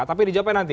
tapi dijawabin nanti